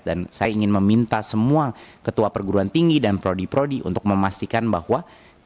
dan saya ingin meminta semua ketua perguruan tinggi dan prodi prodi untuk memastikan bahwa